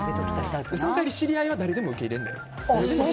その代わり知り合いは誰でも受け入れんで。